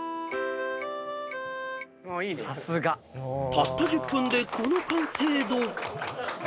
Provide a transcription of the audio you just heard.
［たった１０分でこの完成度］